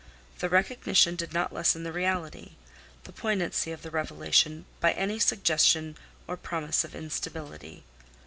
The recognition did not lessen the reality, the poignancy of the revelation by any suggestion or promise of instability.